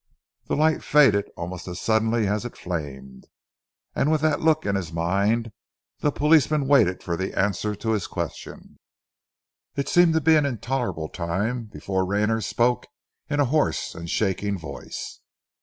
The light faded almost as suddenly as it flamed, and with that look in his mind the policeman waited for the answer to his question. It seemed to be an intolerable time before Rayner spoke in a hoarse and shaking voice.